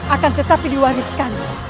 akan tetapi diwariskan